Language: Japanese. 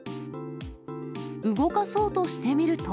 動かそうとしてみると。